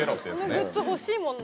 このグッズ欲しいもんな。